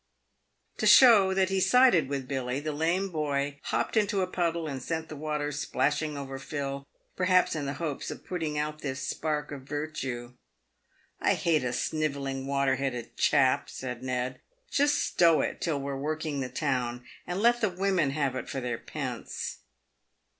To show that he sided with Billy, the lame boy hopped into a puddle and sent the water splashing over Phil, perhaps in the hopes of putting out this spark of virtue. " I hate a snivelling, water headed chap," said Ned. " Just stow it till we're working the town, and let the women have it for their pence."